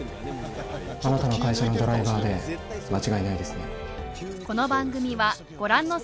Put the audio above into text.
あなたの会社のドライバーで間違いないですね。